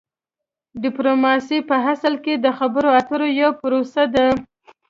ډیپلوماسي په اصل کې د خبرو اترو یوه پروسه ده